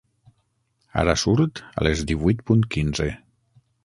Ara surt a les divuit punt quinze.